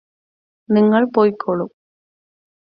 നിങ്ങള് പോയ്കോളൂ